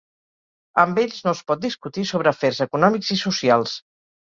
Amb ells no es pot discutir sobre afers econòmics i socials.